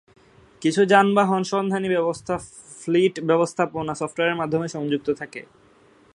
কিছু যানবাহন সন্ধানী ব্যবস্থা ফ্লিট ব্যবস্থাপনা সফটওয়্যারের মাধ্যমে সংযুক্ত থাকে।